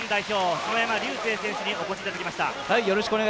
・篠山竜青選手にお越しいただきました。